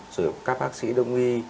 rồi các bác sĩ đồng nghi